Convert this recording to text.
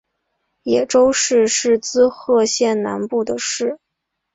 野洲市是滋贺县南部的市。